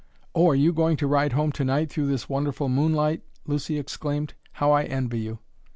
"Oh, are you going to ride home to night, through this wonderful moonlight!" Lucy exclaimed. "How I envy you!"